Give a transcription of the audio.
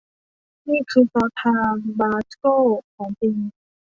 นี่คือซอสทาบาสโก้ของจริง